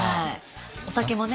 お酒もね。